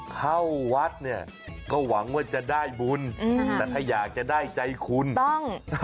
เข้าวัดเนี่ยก็หวังว่าจะได้บุญแต่ถ้าอยากจะได้ใจคุณถูกต้อง